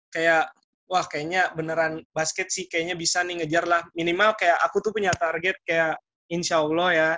kayak wah kayaknya beneran basket sih kayaknya bisa nih ngejar lah minimal kayak aku tuh punya target kayak insya allah ya